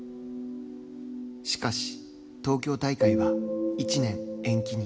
しかし、東京大会は１年延期に。